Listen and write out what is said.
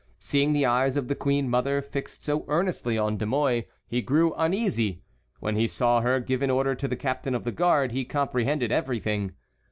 Seeing the eyes of the queen mother fixed so earnestly on De Mouy, he grew uneasy; when he saw her give an order to the captain of the guard he comprehended everything.